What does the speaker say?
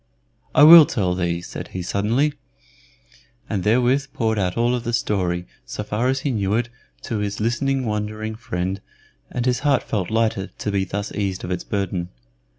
"I will tell thee," said he, suddenly, and therewith poured out all of the story, so far as he knew it, to his listening, wondering friend, and his heart felt lighter to be thus eased of its burden.